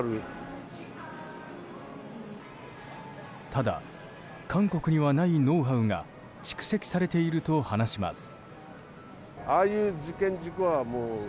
ただ韓国にはないノウハウが蓄積されていると話します。